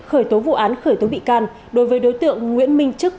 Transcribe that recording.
khởi tố vụ án khởi tố bị can đối với đối tượng nguyễn minh chức